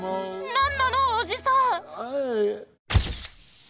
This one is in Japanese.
なんなのおじさん？